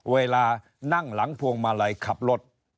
เวลานั่งหลังพวงมาลัยขับรถ